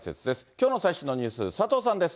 きょうの最新のニュース、佐藤さんです。